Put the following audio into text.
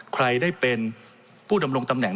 ใครได้เป็นผู้ดำรงตำแหน่ง